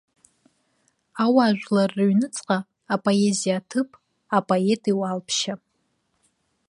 Ауаажәлар рыҩныҵҟа апоезиа аҭыԥ, апоет иуалԥшьа.